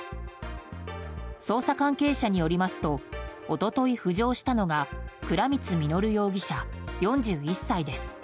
捜査関係者によりますと一昨日、浮上したのが倉光実容疑者、４１歳です。